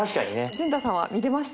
淳太さんは見れました？